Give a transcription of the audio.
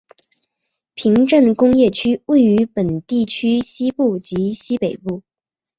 平镇工业区位于本地区西部及西北部。